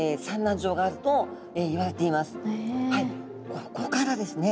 ここからですね